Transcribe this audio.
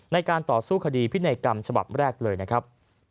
ในการต่อสู้คดีพินัยกรรมฉบับแรกเลยนะครับ